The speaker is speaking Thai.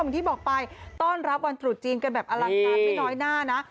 อย่างที่บอกไปต้อนรับวันตรุษจีนกันแบบอลังการไม่น้อยหน้านะ